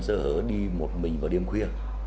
sơ hỡi đi một mình vào đêm khuya